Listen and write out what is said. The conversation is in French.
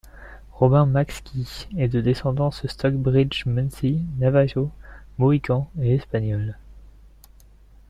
Robin Maxkii est de descendance Stockbridge-Munsee, Navajo, Mohican et espagnole.